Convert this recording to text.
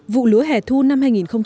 vụ lúa hẻ thu năm hai nghìn một mươi bảy